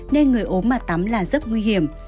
nên người ốm mà tắm là rất nguy hiểm